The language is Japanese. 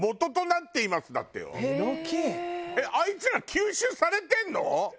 あいつら吸収されてるの？